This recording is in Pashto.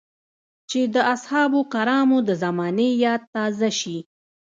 چې د اصحابو کرامو د زمانې ياد تازه شي.